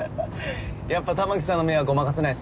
やっぱたまきさんの目はごまかせないっすね。